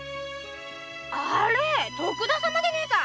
あれぇ徳田様でねぇか。